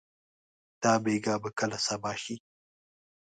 دا بېګا به کله صبا شي؟